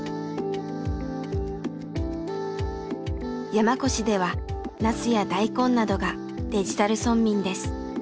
山古志ではなすや大根などがデジタル村民です。